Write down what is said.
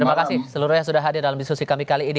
terima kasih seluruhnya sudah hadir dalam diskusi kami kali ini